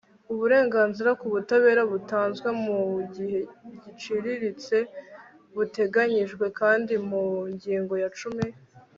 uburenganzira ku butabera butanzwe mu gihe giciriritse buteganyijwe kandi mu ngingo ya cumi